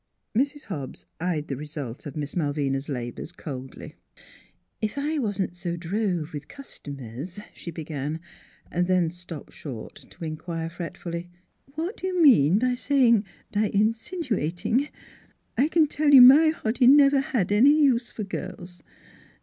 Mrs. Hobbs eyed the result of Miss Malvina's labors coldly. " If I wasn't so drove with customers," she began; then stopped short to inquire fretfully: " What do you mean by saying by insinuat ing I can tell you my Hoddy never had any use for girls.